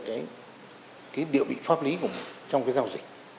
cái địa vị pháp lý trong cái giao dịch